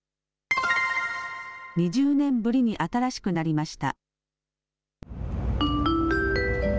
２０年ぶりに新しくなりました。